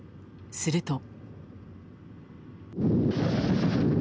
すると。